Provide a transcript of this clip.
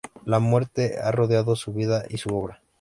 La muerte ha rodeado su vida y su obra.